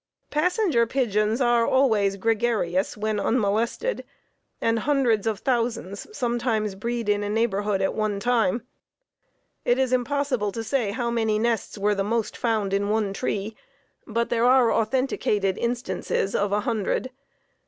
Passenger Pigeons are always gregarious when unmolested, and hundreds of thousands sometimes breed in a neighborhood at one time. It is impossible to say how many nests were the most found in one tree, but there are authenticated instances of a hundred.